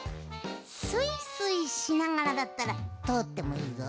スイスイしながらだったらとおってもいいぞ。